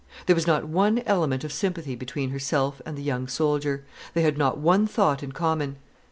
There was not one element of sympathy between herself and the young soldier; they had not one thought in common.